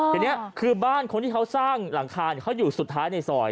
ทีนี้คือบ้านคนที่เขาสร้างหลังคาเขาอยู่สุดท้ายในซอย